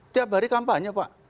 tiap hari kampanye pak